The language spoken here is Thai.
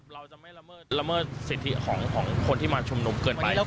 เราจะไม่ละเมิดสิทธิของคนที่มาชุมนุมเกินไป